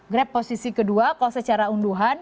grab posisi kedua kalau secara unduhan